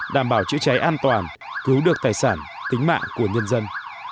đảm bảo chữa cháy an toàn cứu được tài sản tính mạng của nhân dân